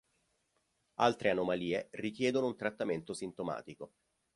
Altre anomalie richiedono un trattamento sintomatico.